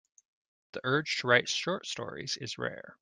The urge to write short stories is rare.